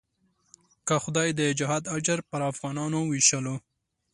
که خدای د جهاد اجر پر افغانانو وېشلو.